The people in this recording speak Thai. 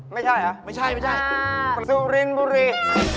ไม่ใช่เหรอไม่ใช่สุรินบุรี